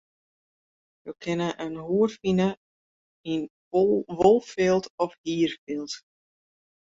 Jo kinne in hoed fine yn wolfilt of hierfilt.